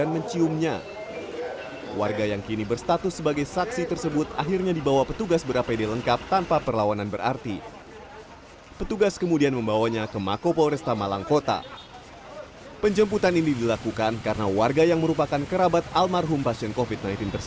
meskipun pada akhirnya kita sudah lakukan juga pemakaman secara protokol covid